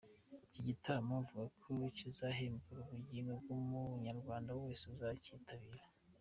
Iki gitaramo avuga ko kizahembura ubugingo bw’umunyarwanda wese uzakitabira.